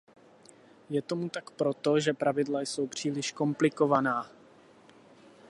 Je tomu tak proto, že pravidla jsou příliš komplikovaná.